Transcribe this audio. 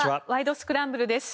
スクランブル」です。